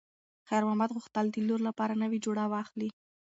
خیر محمد غوښتل چې د لور لپاره نوې جوړه واخلي.